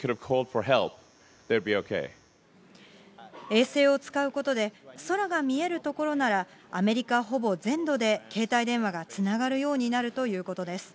衛星を使うことで、空が見える所なら、アメリカほぼ全土で携帯電話がつながるようになるということです。